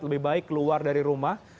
lebih baik keluar dari rumah